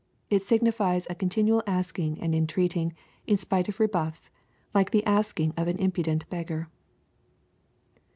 It signifies a continual asking and entreating, in spite of rebujffs, like the asking of an impudent beggar.